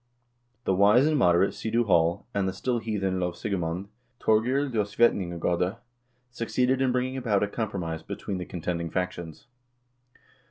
The wise and moderate Sidu Hall, and the still heathen lovsigemand, Thorgeir Ljosvetninga gode, succeeded in bringing about a compromise between the con tending factions.